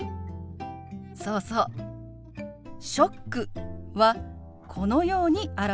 そうそう「ショック」はこのように表します。